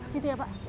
situ ya pak